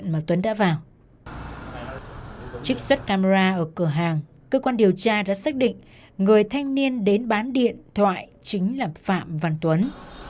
một cái dấu vết gì của tuấn